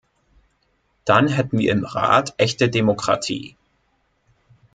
Dann hätten wir im Rat echte Demokratie.